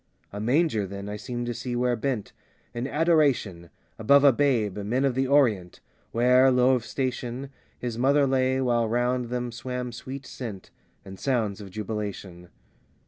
A manger then I seemed to see where bent, In adoration, Above a babe, Men of the Orient, Where, low of station, His mother lay, while round them swam sweet scent And sounds of jubilation.